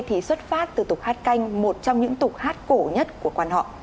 thì xuất phát từ tục hát canh một trong những tục hát cổ nhất của quan họ